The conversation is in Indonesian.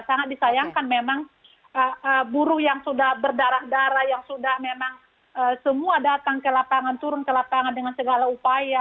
sangat disayangkan memang buruh yang sudah berdarah darah yang sudah memang semua datang ke lapangan turun ke lapangan dengan segala upaya